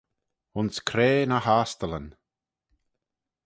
Ayns crea ny h-ostyllyn.